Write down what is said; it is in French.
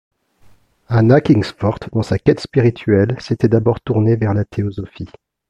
Anna Kingsford dans sa quête spirituelle s'était d'abord tournée vers la théosophie.